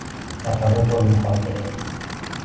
سفر پرمخاطره